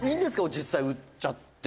実際、売っちゃって」